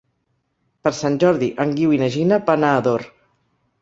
Per Sant Jordi en Guiu i na Gina van a Ador.